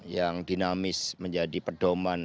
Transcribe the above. yang dinamis menjadi pedoman